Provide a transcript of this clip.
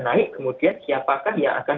naik kemudian siapakah yang akan